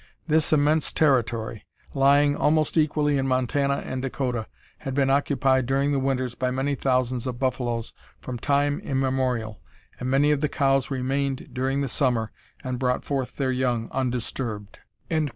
This immense territory, lying almost equally in Montana and Dakota, had been occupied during the winters by many thousands of buffaloes from time immemorial, and many of the cows remained during the summer and brought forth their young undisturbed."